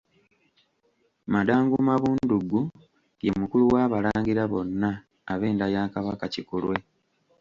Madangu Mabunduggu ye mukulu w'Abalangira bonna ab'enda ya Kabaka Kikulwe.